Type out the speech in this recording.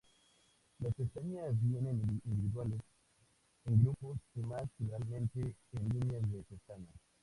Las pestañas vienen individuales, en grupos, y más generalmente, en líneas de pestañas.